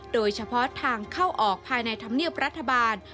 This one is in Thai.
โดยเฉพาะทางเข้าออกภายในธรรมเนียบรัฐบาล